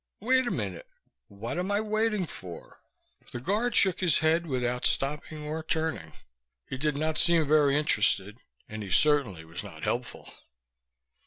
"Wait a minute! What am I waiting for?" The guard shook his head without stopping or turning. He did not seem very interested, and he certainly was not helpful.